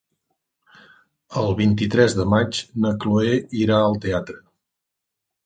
El vint-i-tres de maig na Chloé irà al teatre.